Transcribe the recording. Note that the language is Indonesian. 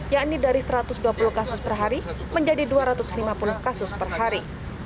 yakni dari satu ratus dua puluh kasus per hari menjadi dua ratus lima puluh kasus per hari